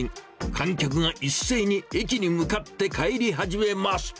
観客が一斉に駅に向かって帰り始めます。